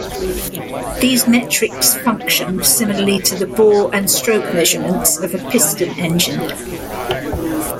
These metrics function similarly to the bore and stroke measurements of a piston engine.